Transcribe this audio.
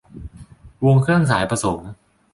วงเครื่องสายผสม